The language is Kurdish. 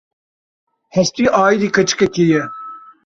Hestî aîdî keçikekê ye.